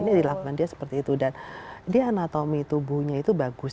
ini di lapangan dia seperti itu dan dia anatomi tubuhnya itu bagus